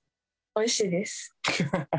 おいしいです。